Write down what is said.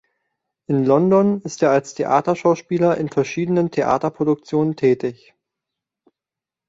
In London ist er als Theaterschauspieler in verschiedenen Theaterproduktionen tätig.